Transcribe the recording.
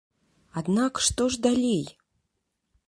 Аднак што ж далей?